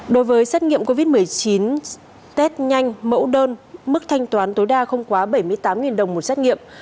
đối với xét nghiệm covid một mươi chín test nhanh mẫu đơn mức thanh toán tối đa không quá bảy mươi tám đồng một xét nghiệm